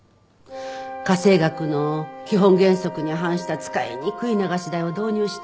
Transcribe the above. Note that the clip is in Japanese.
家政学の基本原則に反した使いにくい流し台を導入しても。